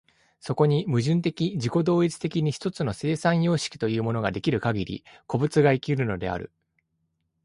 そこに矛盾的自己同一的に一つの生産様式というものが出来るかぎり、個物が生きるのである。